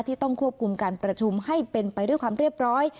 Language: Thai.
ต้องควบคุมการประชุมให้เป็นไปด้วยความเรียบร้อย